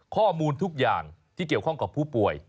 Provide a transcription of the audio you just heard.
ข้อมูลทุกอย่างที่เกี่ยวข้องกับผู้ป่วย